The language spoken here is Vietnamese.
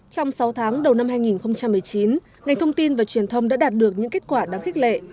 trong sáu tháng đầu năm hai nghìn một mươi chín ngành thông tin và truyền thông đã đạt được những kết quả đáng khích lệ